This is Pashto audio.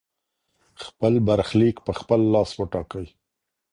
خپل برخليک په خپل لاس وټاکئ.